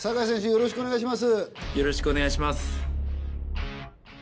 よろしくお願いします。